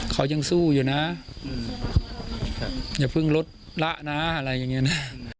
เขายังสู้อยู่นะอย่าเพิ่งลดละนะอะไรอย่างนี้นะ